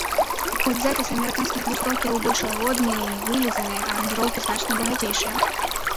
Хоць запісы амерыканскіх блюз-рокераў больш лагодныя і вылізаныя, а аранжыроўкі значна багацейшыя.